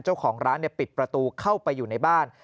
เจ้าของร้านปิดประตูเข้าไปอยู่ในบ้าน